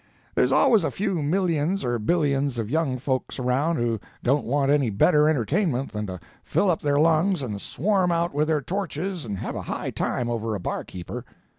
There's always a few millions or billions of young folks around who don't want any better entertainment than to fill up their lungs and swarm out with their torches and have a high time over a barkeeper.